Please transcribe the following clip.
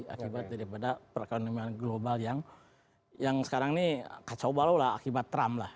akibat daripada perekonomian global yang sekarang ini kacau balau lah akibat trump lah